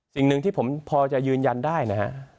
สิ่งหนึ่งที่ผมพอจะยืนยันได้นะฮะ